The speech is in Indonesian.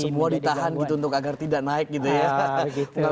semua ditahan gitu untuk agar tidak naik gitu ya